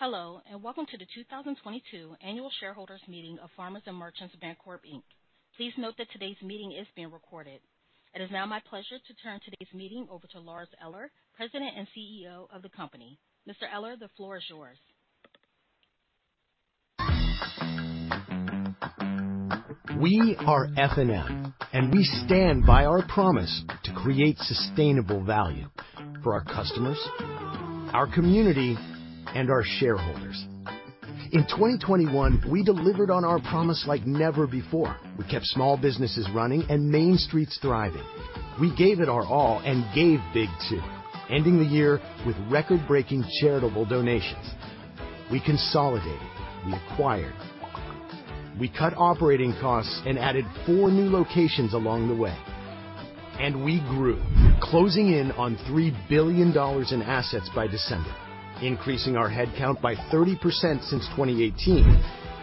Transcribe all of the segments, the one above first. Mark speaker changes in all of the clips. Speaker 1: Hello, and welcome to the 2022 annual shareholders meeting of Farmers & Merchants Bancorp, Inc. Please note that today's meeting is being recorded. It is now my pleasure to turn today's meeting over to Lars Eller, President and CEO of the company. Mr. Eller, the floor is yours.
Speaker 2: We are F&M, and we stand by our promise to create sustainable value for our customers, our community, and our shareholders. In 2021, we delivered on our promise like never before. We kept small businesses running and main streets thriving. We gave it our all and gave big too, ending the year with record-breaking charitable donations. We consolidated, we acquired, we cut operating costs and added four new locations along the way. We grew, closing in on $3 billion in assets by December, increasing our head count by 30% since 2018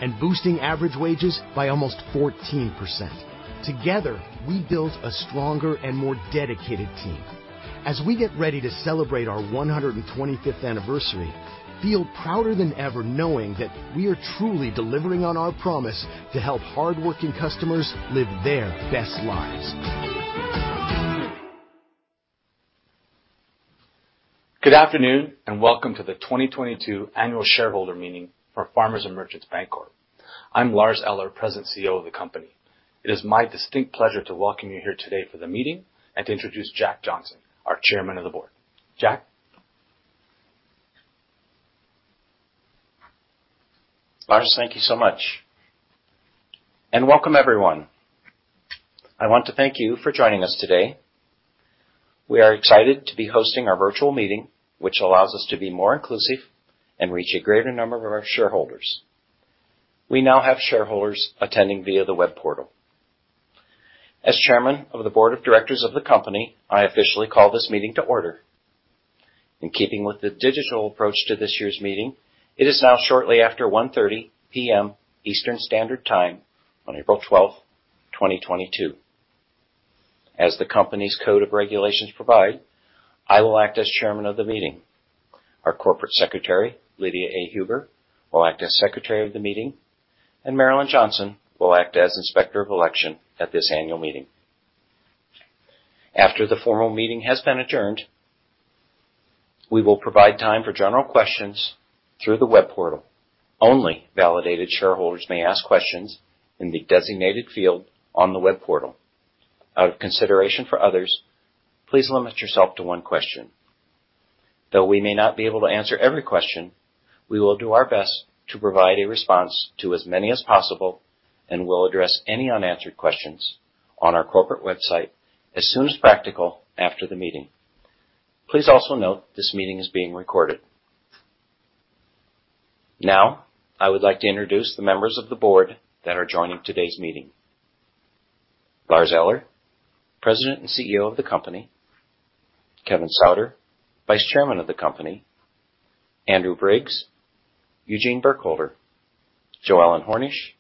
Speaker 2: and boosting average wages by almost 14%. Together, we built a stronger and more dedicated team. As we get ready to celebrate our 125th anniversary, feel prouder than ever knowing that we are truly delivering on our promise to help hardworking customers live their best lives.
Speaker 3: Good afternoon, and welcome to the 2022 annual shareholder meeting for Farmers and Merchants Bancorp. I'm Lars Eller, President and CEO of the company. It is my distinct pleasure to welcome you here today for the meeting and to introduce Jack Johnson, our Chairman of the Board. Jack.
Speaker 4: Lars, thank you so much. Welcome everyone. I want to thank you for joining us today. We are excited to be hosting our virtual meeting, which allows us to be more inclusive and reach a greater number of our shareholders. We now have shareholders attending via the web portal. As chairman of the board of directors of the company, I officially call this meeting to order. In keeping with the digital approach to this year's meeting, it is now shortly after 1:30 P.M. Eastern Standard Time on April 12, 2022. As the company's code of regulations provide, I will act as chairman of the meeting. Our corporate secretary, Lydia A. Huber, will act as secretary of the meeting, and Marilyn Johnson will act as Inspector of Election at this annual meeting. After the formal meeting has been adjourned, we will provide time for general questions through the web portal. Only validated shareholders may ask questions in the designated field on the web portal. Out of consideration for others, please limit yourself to one question. Though we may not be able to answer every question, we will do our best to provide a response to as many as possible and will address any unanswered questions on our corporate website as soon as practical after the meeting. Please also note this meeting is being recorded. Now, I would like to introduce the members of the board that are joining today's meeting. Lars Eller, President and CEO of the company. Kevin Sauder, Vice Chairman of the company. Andrew Briggs, Eugene Burkholder, Jo Ellen Hornish,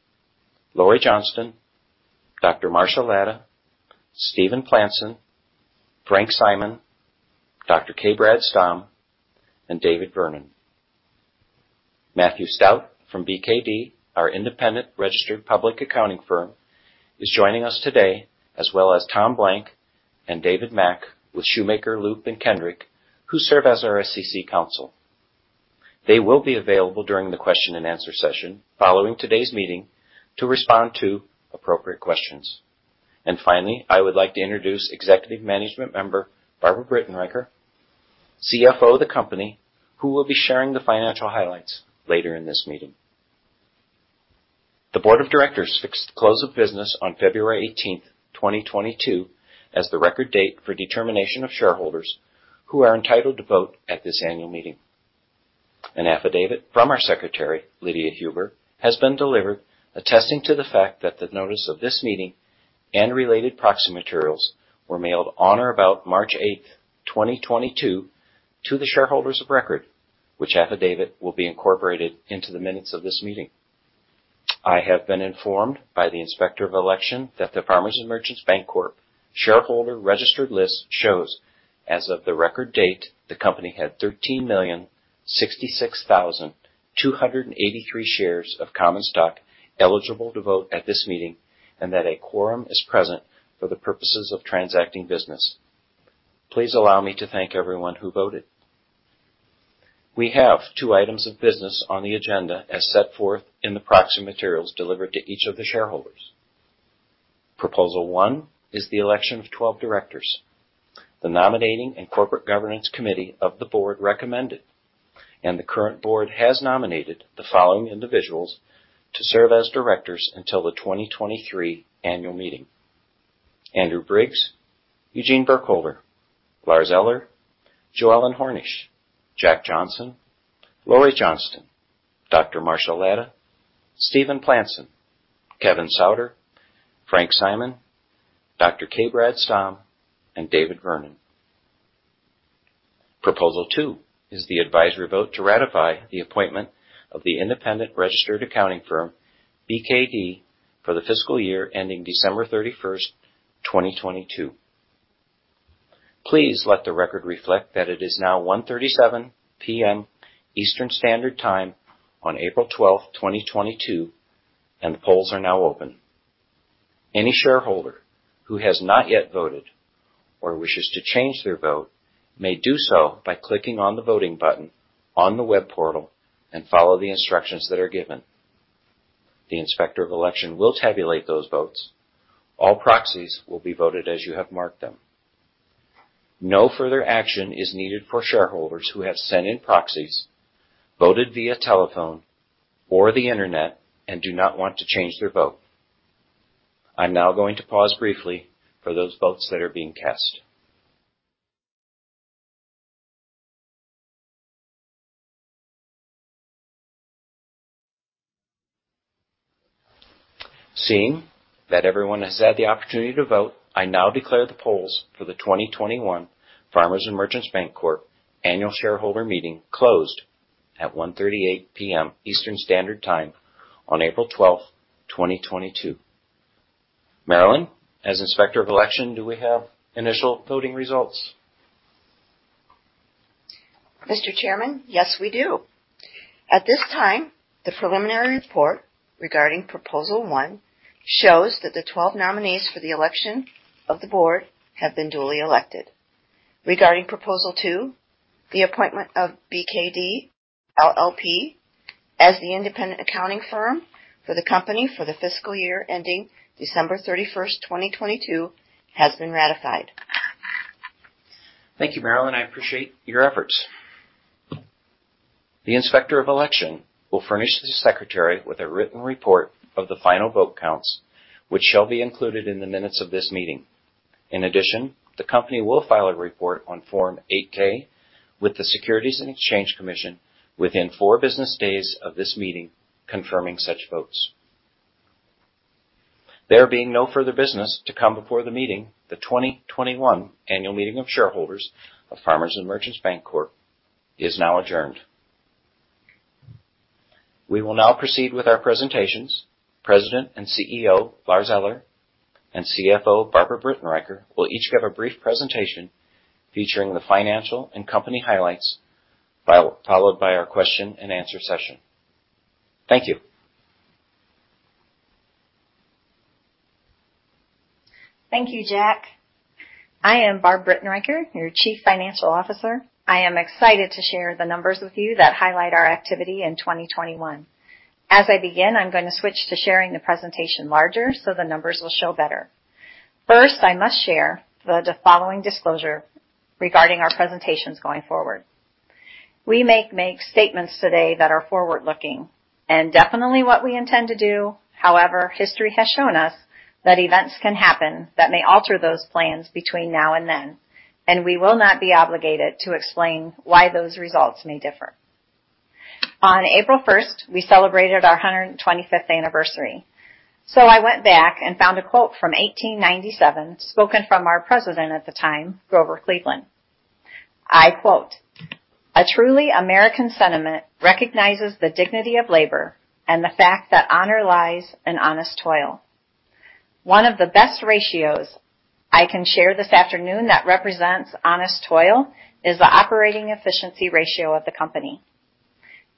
Speaker 4: Lori Johnston, Dr. Marcia Latta, Steven Planson, Frank Simon, Dr. K. Brad Stamm, and David Vernon. Matthew Stout from BKD, our independent registered public accounting firm, is joining us today, as well as Tom Blank and David Mack with Shumaker, Loop & Kendrick, who serve as our SEC counsel. They will be available during the question and answer session following today's meeting to respond to appropriate questions. Finally, I would like to introduce executive management member Barbara Britenriker, CFO of the company, who will be sharing the financial highlights later in this meeting. The board of directors fixed the close of business on February 18th, 2022 as the record date for determination of shareholders who are entitled to vote at this annual meeting. An affidavit from our secretary, Lydia Huber, has been delivered attesting to the fact that the notice of this meeting and related proxy materials were mailed on or about March 8th, 2022 to the shareholders of record, which affidavit will be incorporated into the minutes of this meeting. I have been informed by the Inspector of Election that the Farmers & Merchants Bancorp shareholder registered list shows as of the record date, the company had 13,066,283 shares of common stock eligible to vote at this meeting, and that a quorum is present for the purposes of transacting business. Please allow me to thank everyone who voted. We have two items of business on the agenda as set forth in the proxy materials delivered to each of the shareholders. Proposal 1 is the election of 12 directors. The nominating and corporate governance committee of the board recommended, and the current board has nominated the following individuals to serve as directors until the 2023 annual meeting. Andrew Briggs, Eugene Burkholder, Lars Eller, Jo Ellen Hornish, Jack Johnson, Laurie Johnston, Dr. Marcia Latta, Steven Planson, Kevin Sauder, Frank Simon, Dr. K. Brad Stamm, and David Vernon. Proposal 2 is the advisory vote to ratify the appointment of the independent registered accounting firm, BKD, for the fiscal year ending December 31st, 2022. Please let the record reflect that it is now 1:37 P.M. Eastern Standard Time on April 12, 2022, and the polls are now open. Any shareholder who has not yet voted or wishes to change their vote may do so by clicking on the voting button on the web portal and follow the instructions that are given. The Inspector of Election will tabulate those votes. All proxies will be voted as you have marked them. No further action is needed for shareholders who have sent in proxies, voted via telephone or the Internet and do not want to change their vote. I'm now going to pause briefly for those votes that are being cast. Seeing that everyone has had the opportunity to vote, I now declare the polls for the 2021 Farmers & Merchants Bancorp annual shareholder meeting closed at 1:38 P.M. Eastern Standard Time on April 12, 2022. Marilyn, as Inspector of Elections, do we have initial voting results?
Speaker 5: Mr. Chairman, yes, we do. At this time, the preliminary report regarding proposal one shows that the 12 nominees for the election of the board have been duly elected. Regarding Proposal 2, the appointment of BKD, LLP as the independent accounting firm for the company for the fiscal year ending December 31st, 2022, has been ratified.
Speaker 4: Thank you, Marilyn. I appreciate your efforts. The Inspector of Election will furnish the Secretary with a written report of the final vote counts, which shall be included in the minutes of this meeting. In addition, the company will file a report on Form 8-K with the Securities and Exchange Commission within four business days of this meeting, confirming such votes. There being no further business to come before the meeting, the 2021 annual meeting of shareholders of Farmers & Merchants Bancorp is now adjourned. We will now proceed with our presentations. President and CEO Lars Eller and CFO Barbara Britenriker will each give a brief presentation featuring the financial and company highlights, followed by our question and answer session. Thank you.
Speaker 6: Thank you, Jack. I am Barb Britenriker, your Chief Financial Officer. I am excited to share the numbers with you that highlight our activity in 2021. As I begin, I'm gonna switch to sharing the presentation larger so the numbers will show better. First, I must share the following disclosure regarding our presentations going forward. We may make statements today that are forward-looking and definitely what we intend to do. However, history has shown us that events can happen that may alter those plans between now and then, and we will not be obligated to explain why those results may differ. On April 1st, we celebrated our 125th anniversary. I went back and found a quote from 1897 spoken from our president at the time, Grover Cleveland. I quote, "A truly American sentiment recognizes the dignity of labor and the fact that honor lies in honest toil." One of the best ratios I can share this afternoon that represents honest toil is the Operating Efficiency Ratio of the company.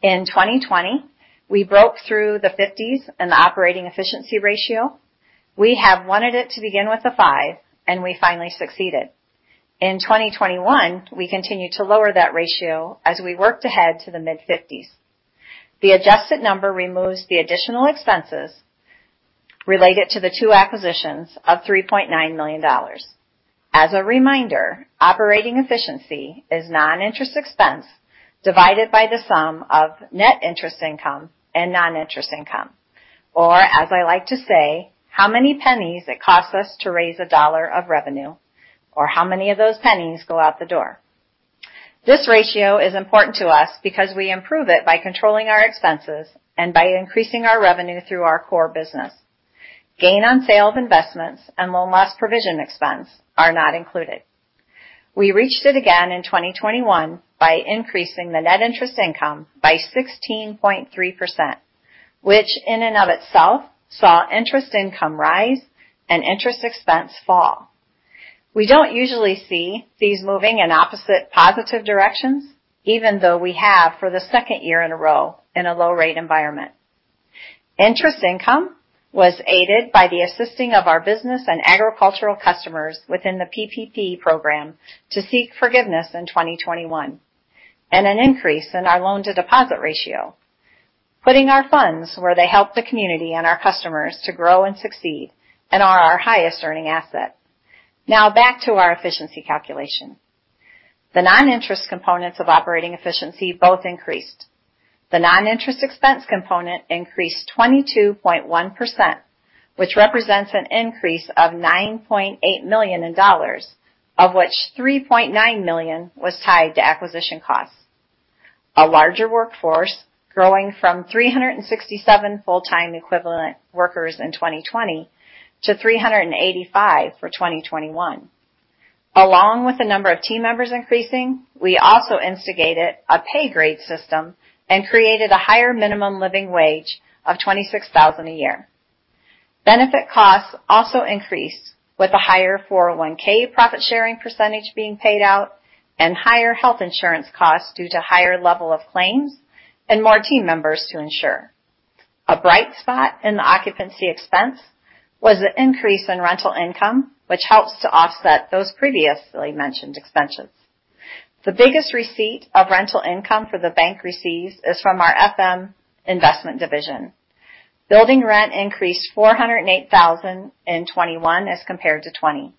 Speaker 6: In 2020, we broke through the 50s in the Operating Efficiency Ratio. We have wanted it to begin with a five, and we finally succeeded. In 2021, we continued to lower that ratio as we worked ahead to the mid-50s. The adjusted number removes the additional expenses related to the two acquisitions of $3.9 million. As a reminder, operating efficiency is non-interest expense divided by the sum of net interest income and non-interest income. Or, as I like to say, how many pennies it costs us to raise a dollar of revenue, or how many of those pennies go out the door. This ratio is important to us because we improve it by controlling our expenses and by increasing our revenue through our core business. Gain on sale of investments and loan loss provision expense are not included. We reached it again in 2021 by increasing the net interest income by 16.3%, which in and of itself saw interest income rise and interest expense fall. We don't usually see these moving in opposite positive directions, even though we have for the second year in a row in a low rate environment. Interest income was aided by the assisting of our business and agricultural customers within the PPP program to seek forgiveness in 2021, and an increase in our loan to deposit ratio, putting our funds where they help the community and our customers to grow and succeed and are our highest earning asset. Now back to our efficiency calculation. The non-interest components of operating efficiency both increased. The non-interest expense component increased 22.1%, which represents an increase of $9.8 million, of which $3.9 million was tied to acquisition costs. A larger workforce growing from 367 full-time equivalent workers in 2020 to 385 for 2021. Along with the number of team members increasing, we also instituted a pay grade system and created a higher minimum living wage of $26,000 a year. Benefit costs also increased with the higher 401(k) profit-sharing percentage being paid out and higher health insurance costs due to higher level of claims and more team members to insure. A bright spot in the occupancy expense was the increase in rental income, which helps to offset those previously mentioned expenses. The biggest source of rental income the bank receives is from our F&M investment division. Building rent increased $408,000 in 2021 as compared to 2020,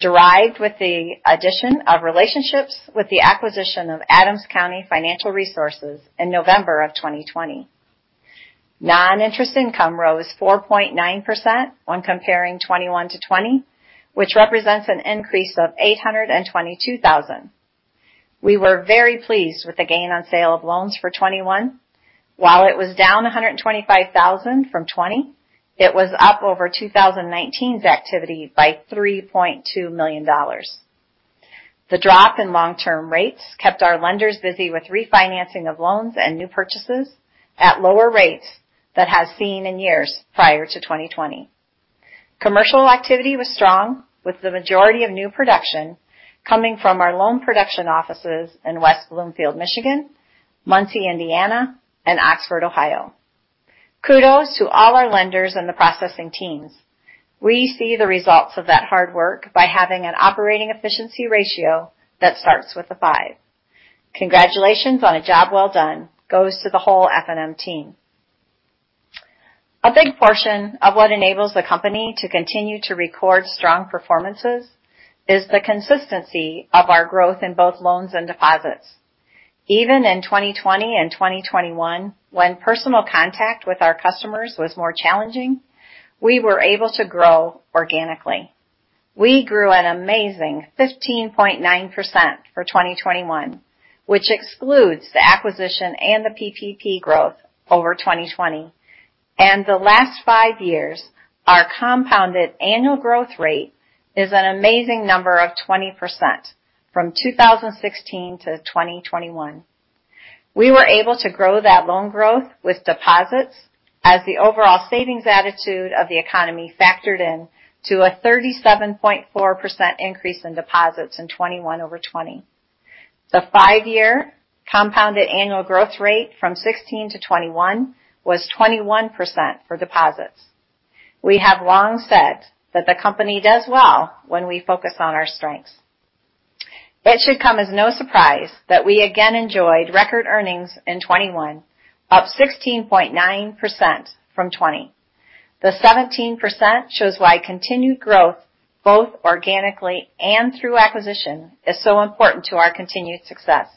Speaker 6: driven by the addition of relationships with the acquisition of Adams County Financial Resources in November of 2020. Noninterest income rose 4.9% when comparing 2021 to 2020, which represents an increase of $822,000. We were very pleased with the gain on sale of loans for 2021. While it was down $125,000 from 2020, it was up over 2019's activity by $3.2 million. The drop in long-term rates kept our lenders busy with refinancing of loans and new purchases at lower rates than has been seen in years prior to 2020. Commercial activity was strong, with the majority of new production coming from our loan production offices in West Bloomfield, Michigan, Muncie, Indiana, and Oxford, Ohio. Kudos to all our lenders and the processing teams. We see the results of that hard work by having an operating efficiency ratio that starts with a five. Congratulations on a job well done goes to the whole F&M team. A big portion of what enables the company to continue to record strong performances is the consistency of our growth in both loans and deposits. Even in 2020 and 2021, when personal contact with our customers was more challenging, we were able to grow organically. We grew an amazing 15.9% for 2021, which excludes the acquisition and the PPP growth over 2020. The last five years, our compounded annual growth rate is an amazing number of 20% from 2016 to 2021. We were able to grow that loan growth with deposits as the overall savings attitude of the economy factored in to a 37.4% increase in deposits in 2021 over 2020. The five-year compounded annual growth rate from 2016 to 2021 was 21% for deposits. We have long said that the company does well when we focus on our strengths. It should come as no surprise that we again enjoyed record earnings in 2021, up 16.9% from 2020. The 17% shows why continued growth, both organically and through acquisition, is so important to our continued success.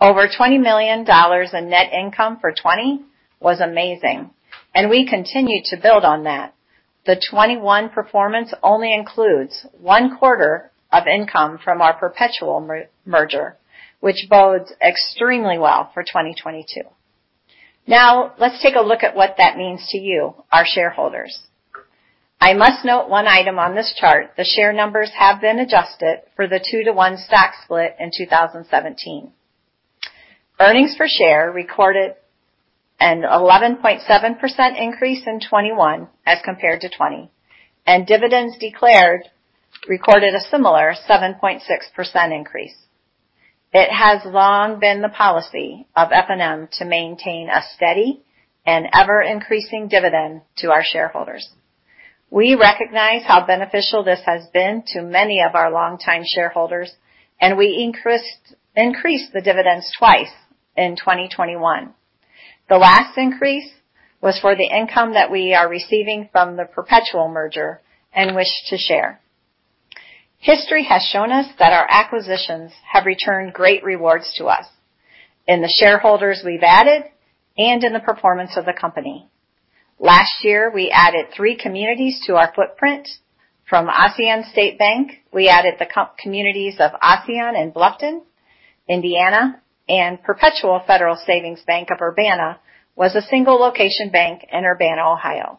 Speaker 6: Over $20 million in net income for 2020 was amazing, and we continue to build on that. The 2021 performance only includes one quarter of income from our Perpetual merger, which bodes extremely well for 2022. Now, let's take a look at what that means to you, our shareholders. I must note one item on this chart. The share numbers have been adjusted for the two-to-one stock split in 2017. Earnings per share recorded an 11.7% increase in 2021 as compared to 2020, and dividends declared recorded a similar 7.6% increase. It has long been the policy of F&M to maintain a steady and ever-increasing dividend to our shareholders. We recognize how beneficial this has been to many of our longtime shareholders, and we increased the dividends twice in 2021. The last increase was for the income that we are receiving from the Perpetual merger and wish to share. History has shown us that our acquisitions have returned great rewards to us in the shareholders we've added and in the performance of the company. Last year, we added three communities to our footprint. From Ossian State Bank, we added the communities of Ossian and Bluffton, Indiana, and Perpetual Federal Savings Bank of Urbana was a single location bank in Urbana, Ohio.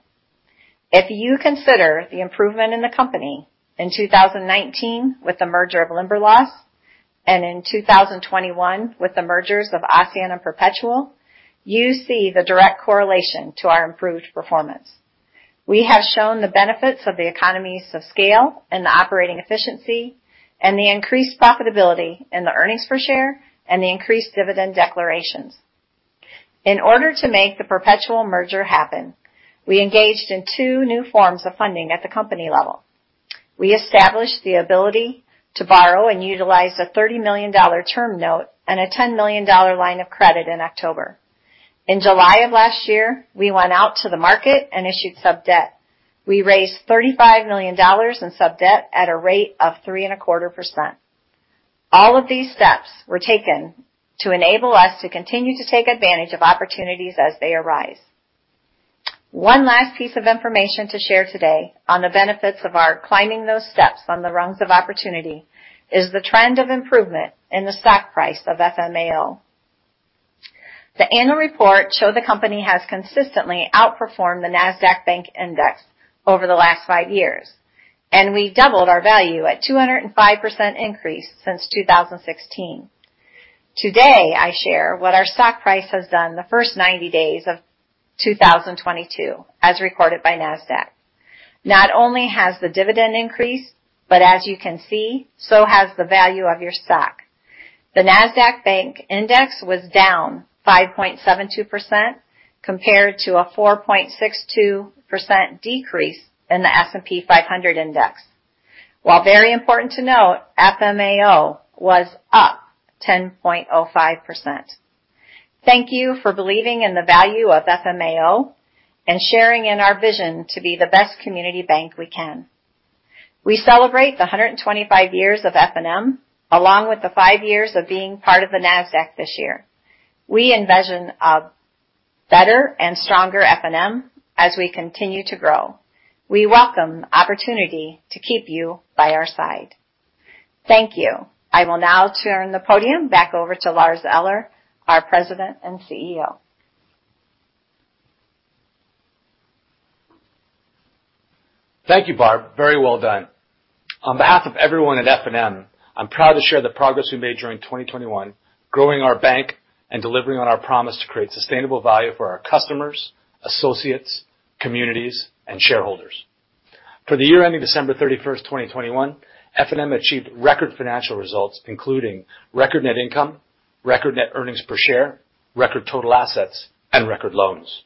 Speaker 6: If you consider the improvement in the company in 2019 with the merger of Limberlost, and in 2021 with the mergers of Ossian and Perpetual, you see the direct correlation to our improved performance. We have shown the benefits of the economies of scale and the operating efficiency and the increased profitability in the earnings per share and the increased dividend declarations. In order to make the Perpetual merger happen, we engaged in two new forms of funding at the company level. We established the ability to borrow and utilize a $30 million term note and a $10 million line of credit in October. In July of last year, we went out to the market and issued sub-debt. We raised $35 million in sub-debt at a rate of 3.25%. All of these steps were taken to enable us to continue to take advantage of opportunities as they arise. One last piece of information to share today on the benefits of our climbing those steps on the rungs of opportunity is the trend of improvement in the stock price of FMAO. The annual report shows the company has consistently outperformed the Nasdaq Bank Index over the last five years, and we doubled our value at 205% increase since 2016. Today, I share what our stock price has done the first 90 days of 2022, as recorded by Nasdaq. Not only has the dividend increased, but as you can see, so has the value of your stock. The Nasdaq Bank Index was down 5.72% compared to a 4.62% decrease in the S&P 500 index. While very important to note, FMAO was up 10.05%. Thank you for believing in the value of FMAO and sharing in our vision to be the best community bank we can. We celebrate 125 years of F&M, along with five years of being part of the Nasdaq this year. We envision a better and stronger F&M as we continue to grow. We welcome the opportunity to keep you by our side. Thank you. I will now turn the podium back over to Lars Eller, our President and CEO.
Speaker 3: Thank you, Barb. Very well done. On behalf of everyone at F&M, I'm proud to share the progress we made during 2021, growing our bank and delivering on our promise to create sustainable value for our customers, associates, communities, and shareholders. For the year ending December 31st, 2021, F&M achieved record financial results, including record net income, record net earnings per share, record total assets, and record loans.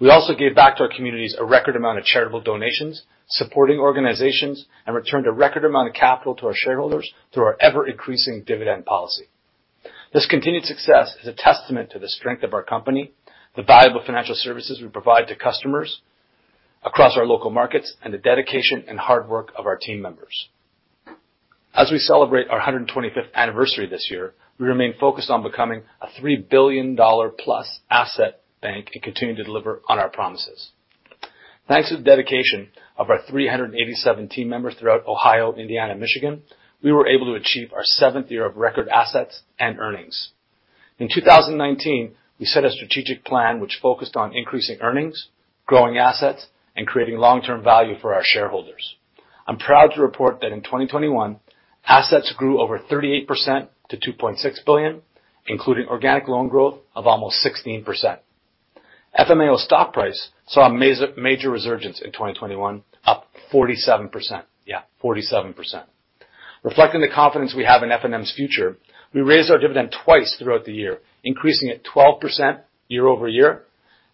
Speaker 3: We also gave back to our communities a record amount of charitable donations, supporting organizations, and returned a record amount of capital to our shareholders through our ever-increasing dividend policy. This continued success is a testament to the strength of our company, the valuable financial services we provide to customers across our local markets, and the dedication and hard work of our team members. As we celebrate our 125th anniversary this year, we remain focused on becoming a $3 billion+ asset bank and continue to deliver on our promises. Thanks to the dedication of our 387 team members throughout Ohio, Indiana, Michigan, we were able to achieve our 7th year of record assets and earnings. In 2019, we set a strategic plan which focused on increasing earnings, growing assets, and creating long-term value for our shareholders. I'm proud to report that in 2021, assets grew over 38% to $2.6 billion, including organic loan growth of almost 16%. FMAO stock price saw a major resurgence in 2021, up 47%. Yeah, 47%. Reflecting the confidence we have in F&M's future, we raised our dividend twice throughout the year, increasing it 12% year-over-year.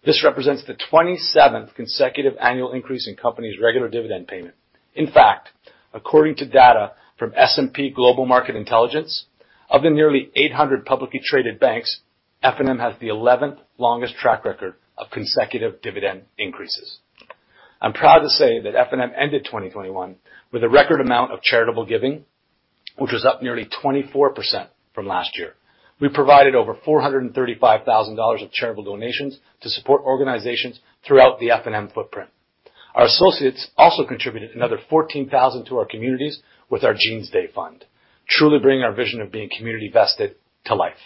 Speaker 3: This represents the 27th consecutive annual increase in the company's regular dividend payment. In fact, according to data from S&P Global Market Intelligence, of the nearly 800 publicly traded banks, F&M has the 11th longest track record of consecutive dividend increases. I'm proud to say that F&M ended 2021 with a record amount of charitable giving, which was up nearly 24% from last year. We provided over $435,000 of charitable donations to support organizations throughout the F&M footprint. Our associates also contributed another $14,000 to our communities with our Jeans Day fund, truly bringing our vision of being community vested to life.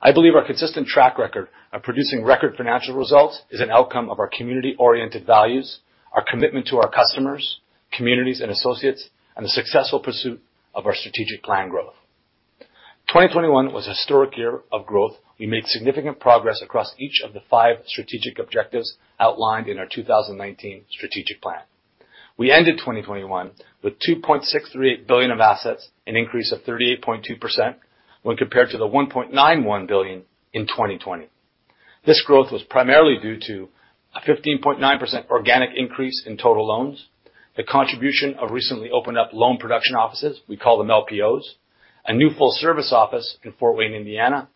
Speaker 3: I believe our consistent track record of producing record financial results is an outcome of our community-oriented values, our commitment to our customers, communities, and associates, and the successful pursuit of our strategic plan growth. 2021 was a historic year of growth. We made significant progress across each of the five strategic objectives outlined in our 2019 strategic plan. We ended 2021 with $2.638 billion of assets, an increase of 38.2% when compared to the $1.91 billion in 2020. This growth was primarily due to a 15.9% organic increase in total loans, the contribution of recently opened up loan production offices, we call them LPOs, a new full service office in Fort Wayne, Indiana,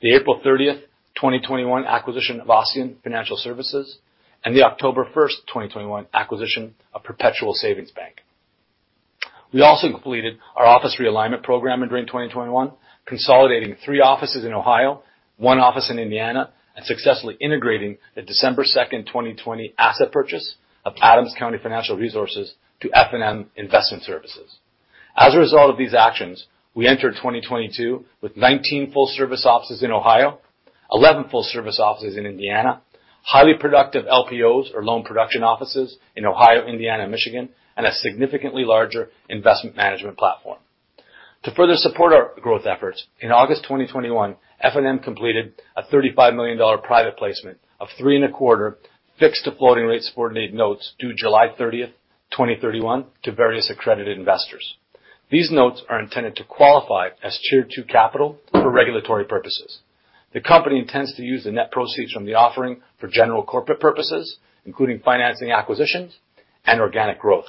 Speaker 3: the April 30th, 2021 acquisition of Ossian Financial Services, and the October 1st, 2021 acquisition of Perpetual Federal Savings Bank. We also completed our office realignment program during 2021, consolidating three offices in Ohio, one office in Indiana, and successfully integrating the December 2nd, 2020 asset purchase of Adams County Financial Resources to F&M Investment Services. As a result of these actions, we entered 2022 with 19 full service offices in Ohio, 11 full service offices in Indiana, highly productive LPOs or loan production offices in Ohio, Indiana, Michigan, and a significantly larger investment management platform. To further support our growth efforts, in August 2021, F&M completed a $35 million private placement of 3.25% fixed-to-floating rate subordinate notes due July 30th, 2031 to various accredited investors. These notes are intended to qualify as Tier 2 capital for regulatory purposes. The company intends to use the net proceeds from the offering for general corporate purposes, including financing acquisitions and organic growth.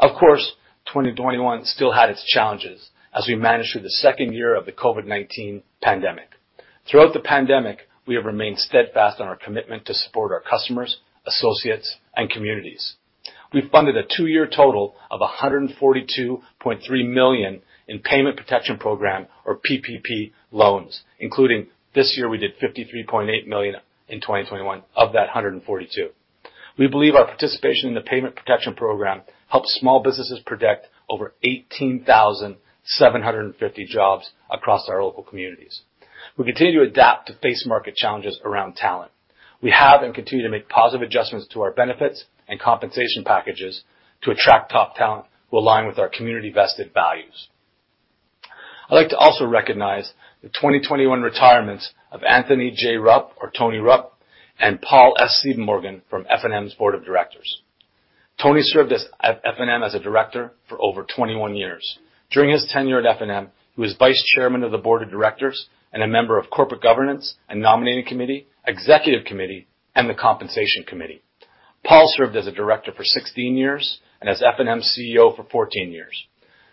Speaker 3: Of course, 2021 still had its challenges as we managed through the second year of the COVID-19 pandemic. Throughout the pandemic, we have remained steadfast on our commitment to support our customers, associates, and communities. We funded a two-year total of $142.3 million in Paycheck Protection Program or PPP loans, including this year, we did $53.8 million in 2021 of that $142 million. We believe our participation in the Paycheck Protection Program helped small businesses protect over 18,750 jobs across our local communities. We continue to adapt to face market challenges around talent. We have and continue to make positive adjustments to our benefits and compensation packages to attract top talent who align with our community-vested values. I'd like to also recognize the 2021 retirements of Anthony J. Rupp, or Tony Rupp, and Paul S. Siebenmorgen from F&M's Board of Directors. Tony served as a director for over 21 years. During his tenure at F&M, he was Vice Chairman of the Board of Directors and a member of Corporate Governance and Nominating Committee, Executive Committee, and the Compensation Committee. Paul served as a director for 16 years and as F&M's CEO for 14 years.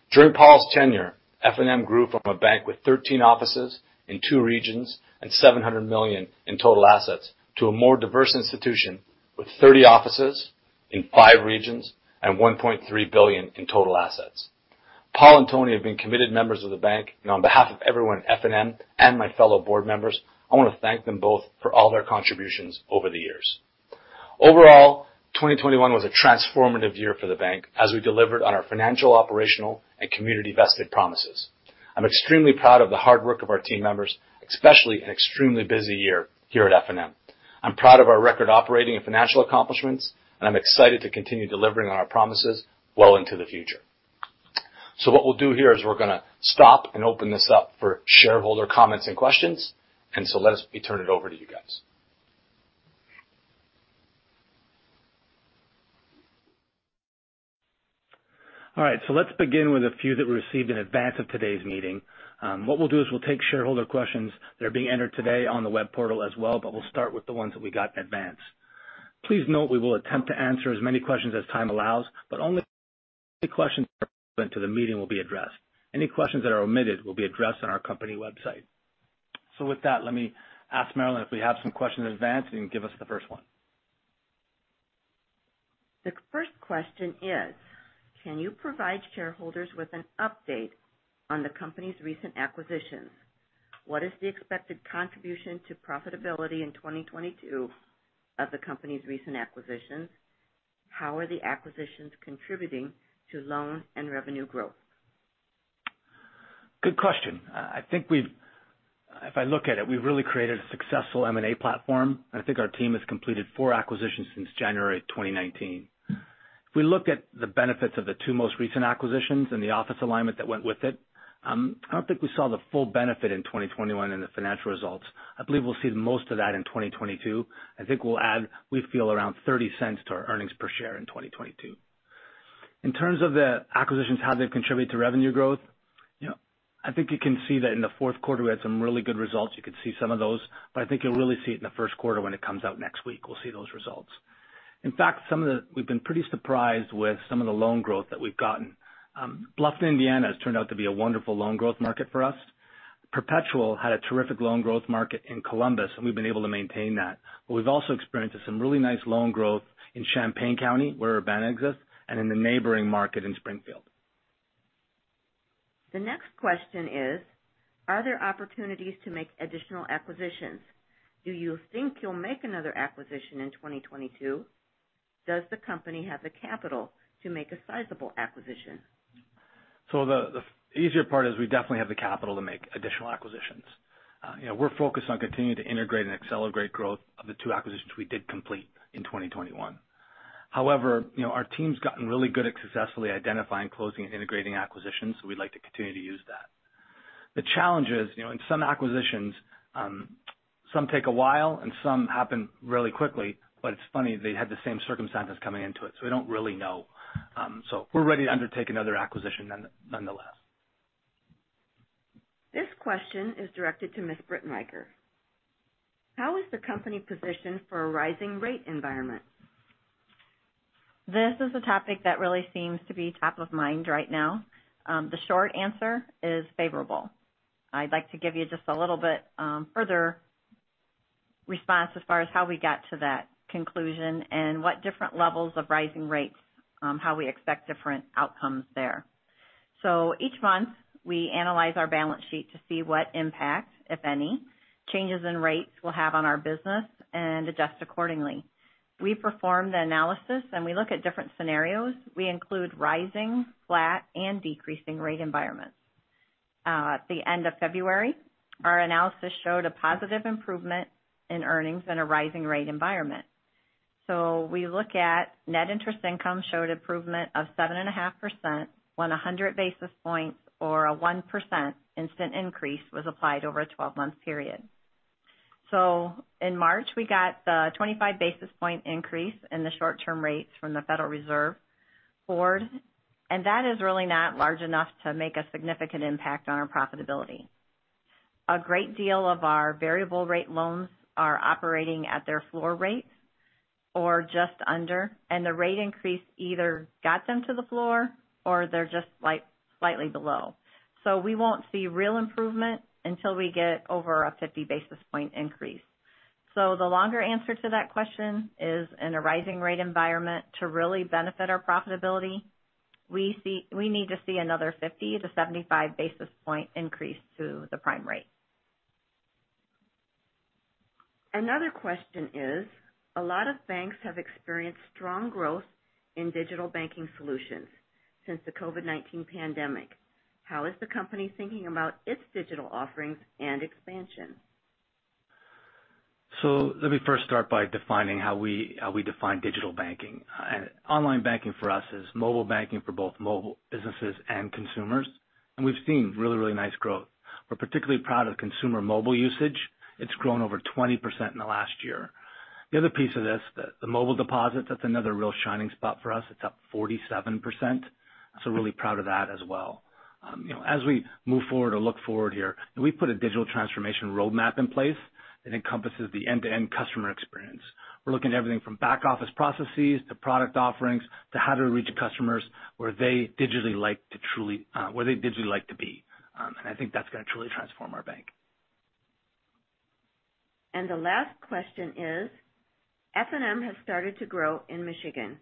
Speaker 3: During Paul's tenure, F&M grew from a bank with 13 offices in two regions and $700 million in total assets to a more diverse institution with 30 offices in five regions and $1.3 billion in total assets. Paul and Tony have been committed members of the bank, and on behalf of everyone at F&M and my fellow board members, I wanna thank them both for all their contributions over the years. Overall, 2021 was a transformative year for the bank as we delivered on our financial, operational, and community-vested promises. I'm extremely proud of the hard work of our team members, especially an extremely busy year here at F&M. I'm proud of our record operating and financial accomplishments, and I'm excited to continue delivering on our promises well into the future. What we'll do here is we're gonna stop and open this up for shareholder comments and questions, and let me turn it over to you guys. All right, so let's begin with a few that we received in advance of today's meeting. What we'll do is we'll take shareholder questions that are being entered today on the web portal as well, but we'll start with the ones that we got in advance. Please note we will attempt to answer as many questions as time allows, but only questions into the meeting will be addressed. Any questions that are omitted will be addressed on our company website. With that, let me ask Marilyn if we have some questions in advance, and give us the first one.
Speaker 5: The first question is, can you provide shareholders with an update on the company's recent acquisitions? What is the expected contribution to profitability in 2022 of the company's recent acquisitions? How are the acquisitions contributing to loan and revenue growth?
Speaker 3: Good question. I think we've. If I look at it, we've really created a successful M&A platform. I think our team has completed four acquisitions since January 2019. If we look at the benefits of the two most recent acquisitions and the office alignment that went with it, I don't think we saw the full benefit in 2021 in the financial results. I believe we'll see the most of that in 2022. I think we'll add, we feel, around $0.30 to our earnings per share in 2022. In terms of the acquisitions, how they contribute to revenue growth, you know, I think you can see that in the fourth quarter, we had some really good results. You could see some of those, but I think you'll really see it in the first quarter when it comes out next week. We'll see those results. In fact, we've been pretty surprised with some of the loan growth that we've gotten. Bluffton, Indiana, has turned out to be a wonderful loan growth market for us. Perpetual had a terrific loan growth market in Columbus, and we've been able to maintain that. We've also experienced some really nice loan growth in Champaign County, where our bank exists, and in the neighboring market in Springfield.
Speaker 5: The next question is, are there opportunities to make additional acquisitions? Do you think you'll make another acquisition in 2022? Does the company have the capital to make a sizable acquisition?
Speaker 3: The easier part is we definitely have the capital to make additional acquisitions. You know, we're focused on continuing to integrate and accelerate growth of the two acquisitions we did complete in 2021. However, you know, our team's gotten really good at successfully identifying, closing, and integrating acquisitions, so we'd like to continue to use that. The challenge is, you know, in some acquisitions, some take a while, and some happen really quickly, but it's funny, they had the same circumstances coming into it, so we don't really know. We're ready to undertake another acquisition, nonetheless.
Speaker 5: This question is directed to Ms. Britenriker. How is the company positioned for a rising rate environment?
Speaker 6: This is a topic that really seems to be top of mind right now. The short answer is favorable. I'd like to give you just a little bit, further response as far as how we got to that conclusion and what different levels of rising rates, how we expect different outcomes there. Each month, we analyze our balance sheet to see what impact, if any, changes in rates will have on our business and adjust accordingly. We perform the analysis, and we look at different scenarios. We include rising, flat, and decreasing rate environments. At the end of February, our analysis showed a positive improvement in earnings in a rising rate environment. We look at net interest income showed improvement of 7.5% when 100 basis points or a 1% instant increase was applied over a 12-month period. In March, we got the 25 basis point increase in the short-term rates from the Federal Reserve Board, and that is really not large enough to make a significant impact on our profitability. A great deal of our variable rate loans are operating at their floor rates or just under, and the rate increase either got them to the floor or they're just slightly below. We won't see real improvement until we get over a 50 basis point increase. The longer answer to that question is, in a rising rate environment, to really benefit our profitability, we need to see another 50-75 basis point increase to the prime rate.
Speaker 5: Another question is a lot of banks have experienced strong growth in digital banking solutions since the COVID-19 pandemic. How is the company thinking about its digital offerings and expansion?
Speaker 3: Let me first start by defining how we define digital banking. Online banking for us is mobile banking for both mobile businesses and consumers, and we've seen really, really nice growth. We're particularly proud of consumer mobile usage. It's grown over 20% in the last year. The other piece of this, the mobile deposit, that's another real shining spot for us. It's up 47%. Really proud of that as well. You know, as we move forward or look forward here, we've put a digital transformation roadmap in place that encompasses the end-to-end customer experience. We're looking at everything from back office processes to product offerings to how to reach customers where they digitally like to be. I think that's gonna truly transform our bank.
Speaker 5: The last question is F&M has started to grow in Michigan.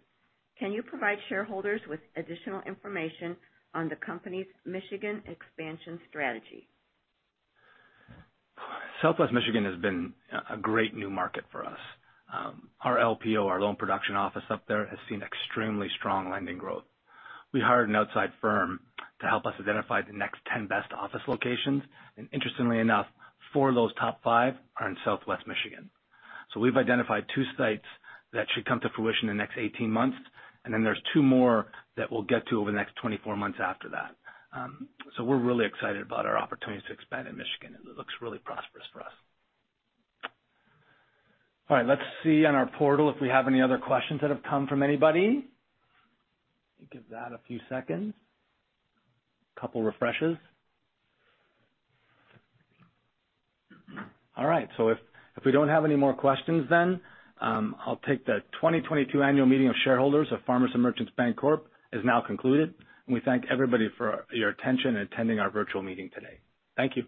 Speaker 5: Can you provide shareholders with additional information on the company's Michigan expansion strategy?
Speaker 3: Southwest Michigan has been a great new market for us. Our LPO, our loan production office up there has seen extremely strong lending growth. We hired an outside firm to help us identify the next 10 best office locations, and interestingly enough, four of those top five are in Southwest Michigan. We've identified two sites that should come to fruition in the next 18 months, and then there's two more that we'll get to over the next 24 months after that. We're really excited about our opportunities to expand in Michigan. It looks really prosperous for us. All right, let's see on our portal if we have any other questions that have come from anybody. Give that a few seconds. Couple refreshes. All right, if we don't have any more questions then, I'll take the 2022 annual meeting of shareholders of Farmers & Merchants Bancorp is now concluded, and we thank everybody for your attention and attending our virtual meeting today. Thank you.